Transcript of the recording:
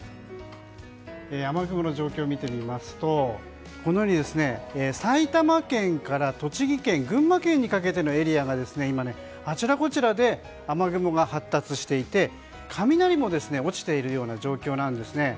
雨雲の状況を見てみますとこのように埼玉県から栃木県群馬県にかけてのエリアが今、あちらこちらで雨雲が発達していて雷も落ちているような状況なんですね。